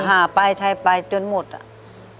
หาไปใช้ไปจนหมดอ่ะ